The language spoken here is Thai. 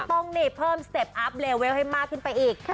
ต้องนี่เพิ่มสเต็ปอัพเลเวลให้มากขึ้นไปอีก